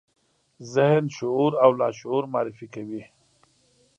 ذهن، شعور او لاشعور معرفي کوي.